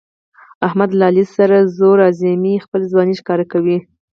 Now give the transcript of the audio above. احمد له علي سره زور ازمیي، خپله ځواني ښکاره کوي.